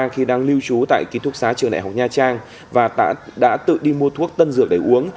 khi đang lưu trú tại ký thúc xá trường đại học nha trang và đã tự đi mua thuốc tân dược để uống